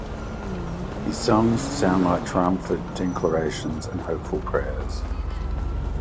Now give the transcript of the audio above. His songs sound like triumphant declarations and hopeful prayers.